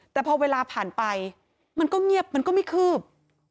แต่พอเวลาผ่านไปมันก็เงียบมันก็ไม่คืบ